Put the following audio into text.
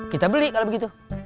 kita beli kalau begitu